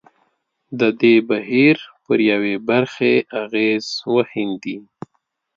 د دې بهیر پر یوې برخې اغېز وښندي.